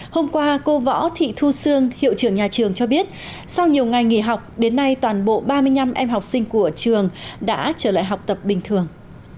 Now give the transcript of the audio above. hôm qua cô võ thị thu sương hiệu trưởng nhà trường cho biết sau nhiều ngày nghỉ học đến nay toàn bộ ba mươi năm em học sinh của trường đã trở lại học tập bình thường